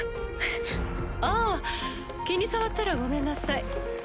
ああ気に障ったらごめんなさい。